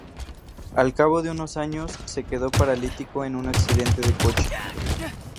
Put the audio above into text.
Al cabo de unos años se quedó paralítico en un accidente de coche.